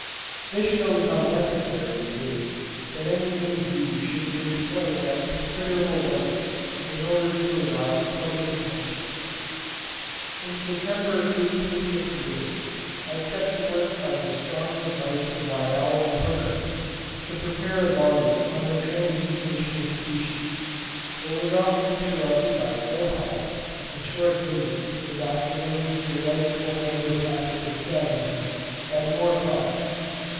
This shows how necessary it is that any new view should be explained at considerable length in order to arouse public attention. In September 1858 I set to work by the strong advice of Lyell and Hooker to prepare a volume on the transmutation of species, but was often interrupted by ill health, and short visits to Dr. Lane's delightful hydropathic establishment at Moor Park.